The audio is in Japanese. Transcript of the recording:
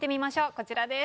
こちらです。